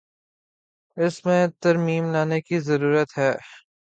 اس میں ترمیم لانے کی ضرورت ہے۔